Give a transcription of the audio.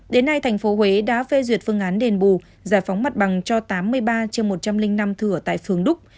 đến nay tp huế đã phê duyệt phương án đền bù giải phóng mặt bằng cho tám mươi ba một trăm linh năm thửa tại phường đúc